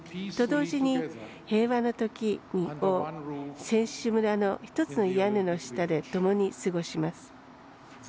と同時に、平和のときを選手村の１つ屋根の下でともに過ごします。